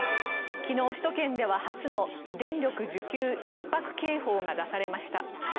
昨日、首都圏では初の電力需給ひっ迫警報が出されました。